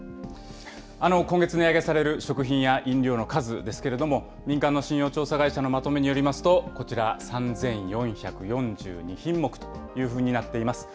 今月値上げされる食品や飲料の数ですけれども、民間の信用調査会社のまとめによりますと、こちら、３４４２品目というふうになっています。